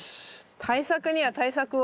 対策には対策を。